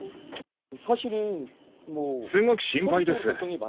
すごく心配です。